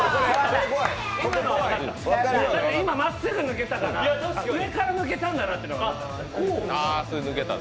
だって今、まっすぐ抜けたから上から抜けたんだなって分かった。